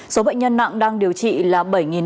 số bệnh nhân nặng đang điều trị là bảy năm trăm chín mươi sáu